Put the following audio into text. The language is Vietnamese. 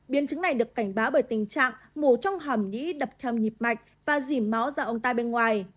biên chứng này được cảnh báo bởi tình trạng mù trong hòm nhĩ đập thêm nhịp mạch và dìm máu ra ống tai bên ngoài